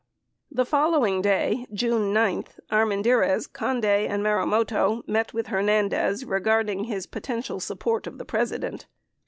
49 The following day, June 9, Armendariz, Conde, and Marumoto met with Hernandez regarding his potential support of the President.